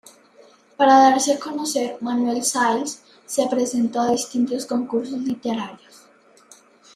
Para darse a conocer Manuel Siles se presentó a distintos concursos literarios.